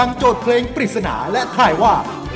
ขอบคุณค่ะ